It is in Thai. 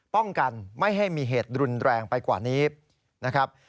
ป้องกันไม่ให้มีเหตุรุนแรงไปกว่านี้นะครับ